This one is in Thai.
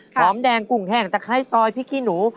หอมแดงกุ้งแห้งตะไคร้ซอยพริกขี้หนู